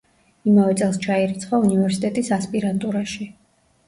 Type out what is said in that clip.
იმავე წელს ჩაირიცხა უნივერსიტეტის ასპირანტურაში.